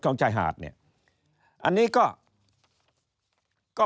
ของชายหาดเนี่ยอันนี้ก็